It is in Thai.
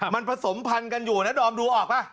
มันผสมพันธุ์กันอยู่นะดอมดูออกป่ะ